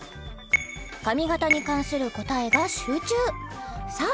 髪形に関する答えが集中さあ